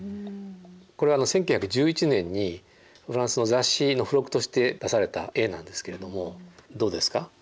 これは１９１１年にフランスの雑誌の付録として出された絵なんですけれどもどうですか？